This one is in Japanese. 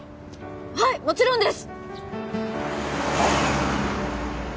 はいもちろんです！